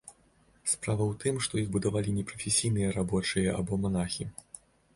Справа ў тым, што іх будавалі непрафесійныя рабочыя або манахі.